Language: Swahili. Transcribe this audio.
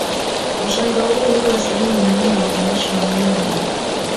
Ushanga huu huwa sehemu muhimu ya urembesho wa miili yao